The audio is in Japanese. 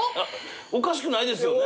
おかしくないですよね？